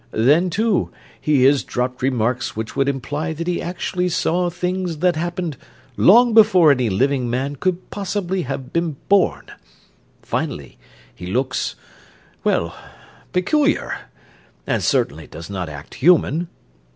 Then, too, he has dropped remarks which would imply that he actually saw things that happened long before any living man could possibly have been born. Finally, he looks well, peculiar and certainly does not act human.